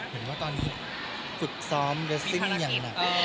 เห็นว่าตอนนี้ฝึกซ้อมเรสซิ่งอย่างหนัก